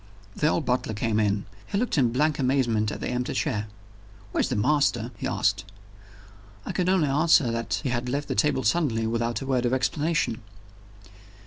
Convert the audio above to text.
The old butler came in. He looked in blank amazement at the empty chair. "Where's the master?" he asked. I could only answer that he had left the table suddenly, without a word of explanation.